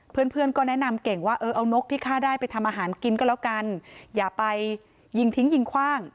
เพื่อนเพื่อนก็แนะนำเก่งว่าเออเอานกที่ฆ่าได้ไปทำอาหารกินก็แล้วกันอย่าไปยิงทิ้งยิงคว่าง